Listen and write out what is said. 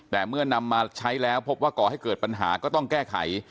แต่เมื่อนำมาใช้แล้วพบว่าก่อให้เกิดปัญหาก็ต้องแก้ไข